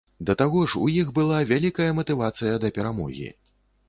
Да таго ж, у іх была вялікая матывацыя да перамогі.